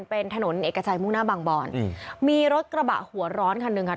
เป็นถนนเอกชัยมุ่งหน้าบางบอนอืมมีรถกระบะหัวร้อนคันหนึ่งค่ะ